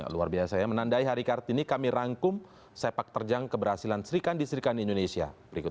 luar biasa ya menandai hari kartini kami rangkum sepak terjang keberhasilan serikandi serikan indonesia